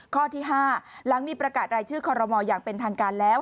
ข้อที่๕หลังมีประกาศรายชื่อคอรมอลอย่างเป็นทางการแล้ว